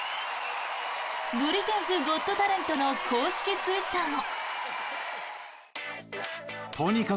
「ブリテンズ・ゴット・タレント」の公式ツイッターも。